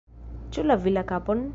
Ĉu lavi la kapon?